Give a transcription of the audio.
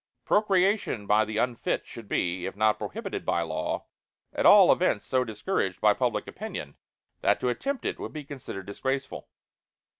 Procreation by the unfit should be, if not prohibited by law, at all events so discouraged by public opinion that to attempt it would be considered disgraceful.